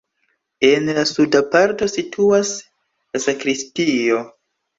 En la suda parto situas la sakristio.